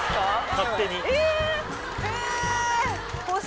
勝手にえ！